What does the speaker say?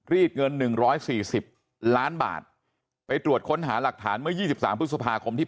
รีดเงิน๑๔๐ล้านบาทไปตรวจค้นหาหลักฐานเมื่อ๒๓พฤษภาคมที่